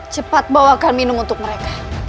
cepat bawakan minum untuk mereka